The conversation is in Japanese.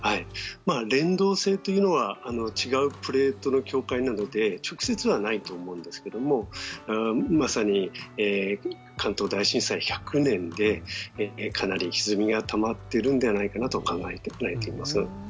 連動性というのは違うプレートの境界なので直接はないと思うんですけどもまさに関東大震災１００年でかなりひずみがたまってるんではないかなと考えています。